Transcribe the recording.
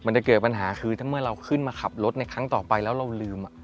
มันจะเกิดปัญหาคือเมื่อเราขึ้นขับรถ่งต่อไปแล้วเราลืม